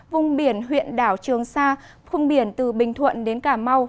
vùng biển huyện đảo trường sa khung biển từ bình thuận đến cà mau